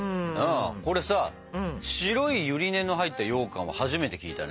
これさ白いゆり根の入ったようかんは初めて聞いたね。